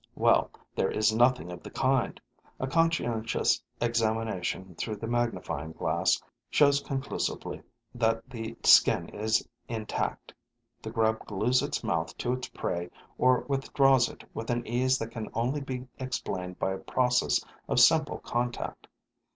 Well, there is nothing of the kind: a conscientious examination through the magnifying glass shows conclusively that the skin is intact; the grub glues its mouth to its prey or withdraws it with an ease that can only be explained by a process of simple contact.